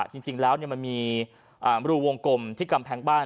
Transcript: จริงแล้วมันมีรูวงกลมที่กำแพงบ้าน